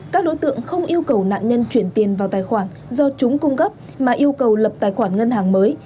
các đối tượng không yêu cầu nạn nhân chuyển tiền vào tài khoản do chúng cung cấp mà yêu cầu lập tài khoản ngân hàng mới